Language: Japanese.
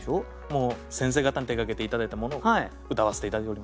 もう先生方に手がけて頂いたものを歌わせて頂いております。